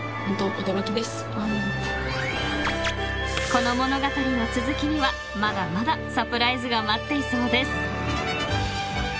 ［この物語の続きにはまだまだサプライズが待っていそうです］